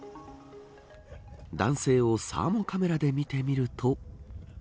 男性をサーモカメラで見てみると。